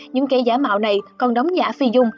những kẻ giả mạo này còn đóng giả phi dung